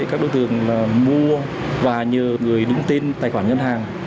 các đối tượng mua và nhờ người đứng tên tài khoản ngân hàng